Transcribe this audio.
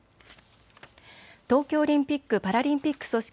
東京オリンピック・パラリンピック組織